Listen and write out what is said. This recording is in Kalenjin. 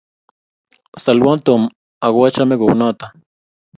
solwo Tom ako achame kou noto